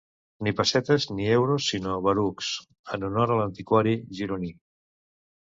Ni pessetes ni euros sinó "barucs", en honor a l'antiquari gironí.